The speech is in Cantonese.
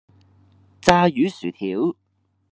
炸魚薯條